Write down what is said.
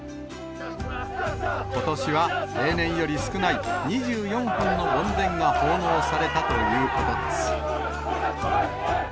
ことしは例年より少ない２４本の梵天が奉納されたということです。